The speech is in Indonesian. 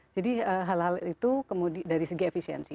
jadi hal hal itu dari segi efisiensi